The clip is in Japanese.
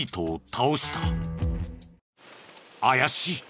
怪しい。